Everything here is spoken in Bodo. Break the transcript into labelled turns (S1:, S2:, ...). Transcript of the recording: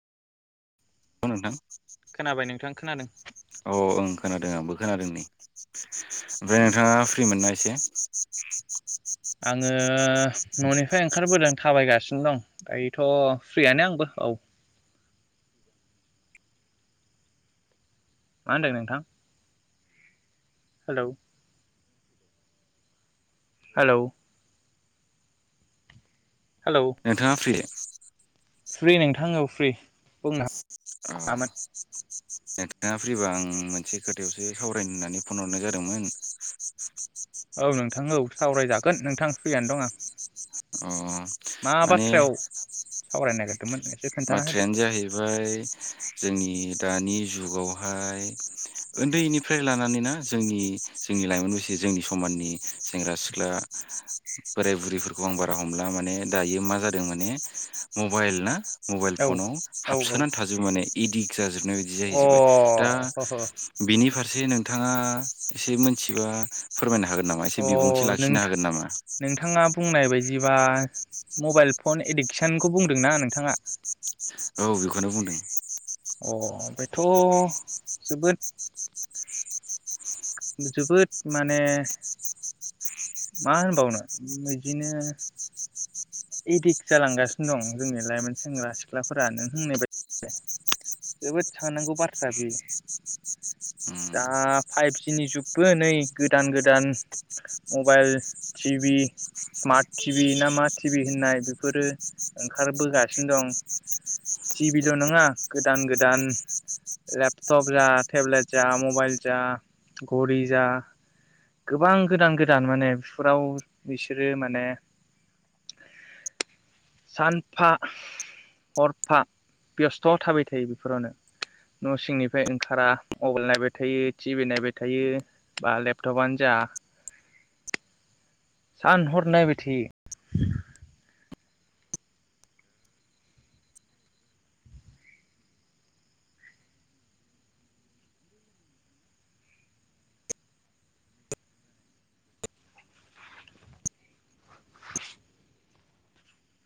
S1: औ नोंथां।
S2: खोनाबाय नोंथां खोनादों।
S1: औ ओं खोनादों। आंबो खोनादों नै ओमफ्राय नोंथाङा फ्रि मोनना एसे?
S2: आङो न'निफ्राय ओंखारबोदों थाबायगासि दं दायोथ' फ्रियानो आंबो औ। मा होनदों नोंथां? हेलौ हेलौ
S1: नोंथाङा फ्रि? [inaudible]
S2: फ्रि नोंथां औ फ्रि बुंनो
S1: अ
S2: हागोन
S1: नोंथाङा फ्रि बा आं मोनसे खोथायावसो सावरायनो होननानै फन हरनाय जादोंमोन।
S2: औ नोंथां औ सावरायजा गोन नोंथां फ्रियानो दं आं
S1: अ
S2: मा
S1: माने
S2: बाथ्रायाव सावरायनांगोन?
S1: बाथ्रायानो जाहैबाय जोंनि दानि जुगावहाय उन्दैनिफ्राय लानानै ना जोंनि जोंनि लाइमोन बैसो जोंनि समाननि सेंग्रा सिख्ला बोराय बुरै फोरखौ आं बारा हमला माने दायो मा जादों माने मबाइल ना मबाइल
S2: औ
S1: फनाव
S2: औ
S1: हाबसोनानै थाजोबो माने इदिक्स जाजोबनाय बायदि
S2: औ
S1: जाहैजोबबाय दा
S2: अ ह
S1: बेनि फारसे नों थाङा एसे मोनथियोबा फोरमायना
S2: अ नोंथा नोंथाङा बुंनाय बायदिबा मबाइल फन एडिक्सनखौ बुंदों ना नोंथाङा।
S1: औ बेखौनो बुंदों।
S2: थ' जोबोद जोबोद माने मा होनबावनो इदिनो एदिक्ट जालांगासिनो दं जोंनि लाइमोन सेंग्रा सिख्लाफोरा नों होननाय बाय जोबोद साननांगौ बाथ्रा बे
S1: उम
S2: दा फाइभ जिनि जुगबो नै गोदान गोदान मबाइल टिभि स्मार्ट टिभि ना मा टिभि होननाय बेफोरो ओंखारबोगासिनो दं। टिभिल' नङा गोदान गोदान लेपटप जा, टेब्लेट जा, मबाइल जा, घरि जा, गोबां गोदान गोदान माने बेफोराव बिसोरो माने सानफा हरफा बेस्थ' थाबाय थायो बेफोरावनो न' सिंनिफ्राय ओंखारा मबाइल नायबाय थायो टिभि नायबाय थायो बा लेपटपानो जा सानहर नायबाय थायो।